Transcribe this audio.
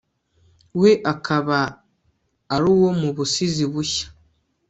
we akaba ari uwo mu busizi bushya